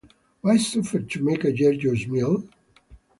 Why suffer to make a gorgeous meal?